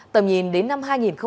tầm nhìn đến năm hai nghìn ba mươi